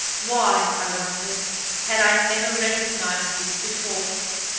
Why, I wondered, had I never recognized this before?